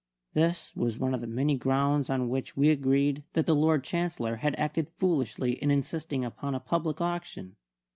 This was one of the many grounds on which we agreed that the Lord Chancellor had acted foolishly in insisting upon a public auction.